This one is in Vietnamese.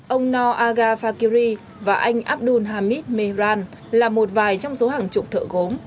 ông noor agha fakiri và anh abdul hamid mehran là một vài trong số hàng trụng thợ gốm